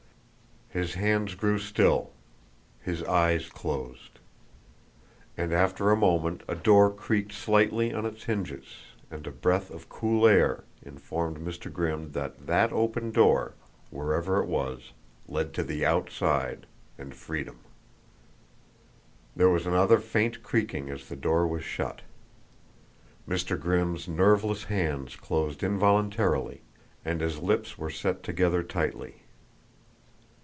His hands grew still; his eyes closed. And after a moment a door creaked slightly on its hinges, and a breath of cool air informed Mr. Grimm that that open door, wherever it was, led to the outside, and freedom. There was another faint creaking as the door was shut. Mr. Grimm's nerveless hands closed involuntarily, and his lips were set together tightly.